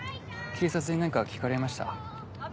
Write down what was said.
警察に何か聞かれました？